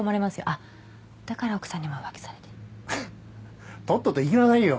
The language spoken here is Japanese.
あっだから奥さんにも浮気されてふっとっとと行きなさいよ